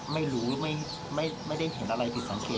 ไม่รู้ไม่ได้เห็นอะไรผิดสังเกต